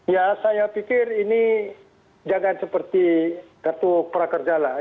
ya saya pikir ini jangan seperti kartu prakerja lah